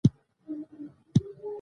ایا ستاسو تولیدات معیاري نه دي؟